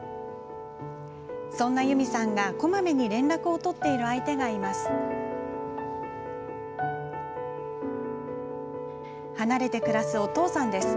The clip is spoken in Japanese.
そんなユミさんがこまめに連絡を取っている相手がいます。